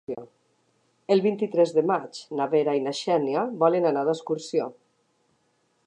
El vint-i-tres de maig na Vera i na Xènia volen anar d'excursió.